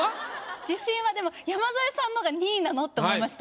自信はでも山添さんのが２位なの？と思いました